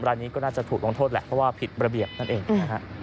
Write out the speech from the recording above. รายนี้ก็น่าจะถูกลงโทษแหละเพราะว่าผิดระเบียบนั่นเองนะฮะ